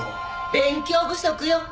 勉強不足よ。